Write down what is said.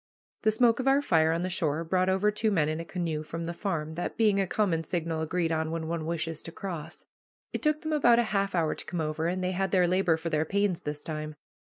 The smoke of our fire on the shore brought over two men in a canoe from the farm, that being a common signal agreed on when one wishes to cross. It took them about half an hour to come over, and they had their labor for their pains this time.